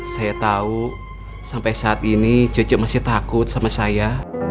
saya tahu sampai saat ini cuce masih takut sama saya